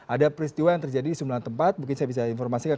ada peristiwa yang terjadi di sembilan tempat mungkin saya bisa informasikan